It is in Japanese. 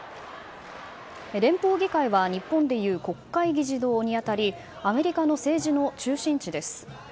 連邦議会は日本でいう国会議事堂に当たりアメリカの政治の中心地です。